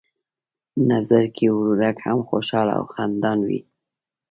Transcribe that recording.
نظرګی ورورک هم خوشحاله او خندان وي.